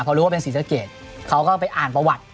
พอรู้ว่าเป็นศรีสะเกดเขาก็ไปอ่านประวัติ